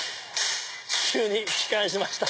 地球に帰還しました。